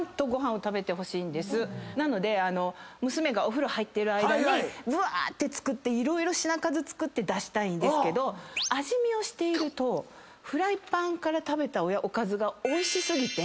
なので娘がお風呂入っている間にぶわーって作って色々品数作って出したいんですけど味見をしているとフライパンから食べたおかずがおいし過ぎて。